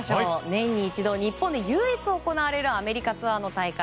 年に一度、日本で唯一行われるアメリカツアーの大会ＺＯＺＯ